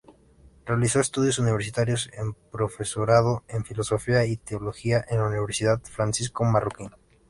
Realizó estudios universitarios de Profesorado en Filosofía y Teología en la Universidad Francisco Marroquín.